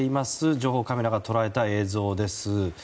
情報カメラが捉えた映像です。